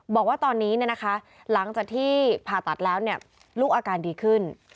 บอกว่าตอนนี้เนี่ยนะคะหลังจากที่ผ่าตัดแล้วเนี่ยลูกอาการดีขึ้น